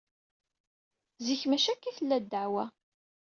Zik maci akka ay tella ddeɛwa.